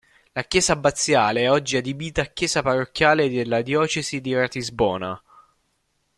La chiesa abbaziale è oggi adibita a chiesa parrocchiale della diocesi di Ratisbona.